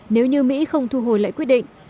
nếu như mỹ không thu hồi lại quyết định